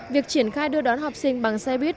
việc triển khai đưa đón học sinh bằng xe buýt